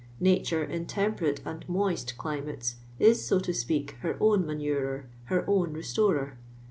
Nature, in tem[>erato and moist climates, is, so to speak, lier own manurer, her own re storer.